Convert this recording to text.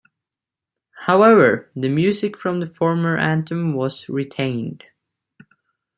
However, the music from the former anthem was retained.